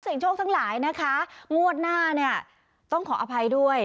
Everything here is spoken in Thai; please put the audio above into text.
โชคทั้งหลายนะคะงวดหน้าเนี่ยต้องขออภัยด้วย